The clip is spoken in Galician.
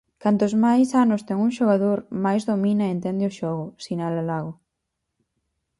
Cantos máis anos ten un xogador, máis domina e entende o xogo, sinala Lago.